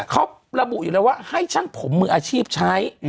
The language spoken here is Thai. เขาระบุอยู่แล้วว่าให้ช่างผมมืออาชีพใช้